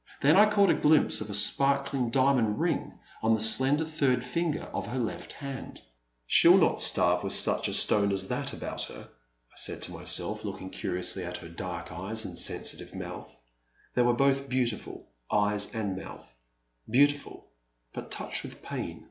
'* Then I caught a glimpse of a sparkling diamond ring on the slen der third finger of her left hand. '* She '11 not starve with such a stone as. that about her," I said to myself, looking curiously at her dark eyes and sensitive mouth. They were both beautiful, eyes and mouth — ^beautiful, but touched with pain.